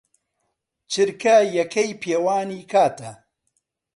چرکە یەکەی پێوانی کاتە.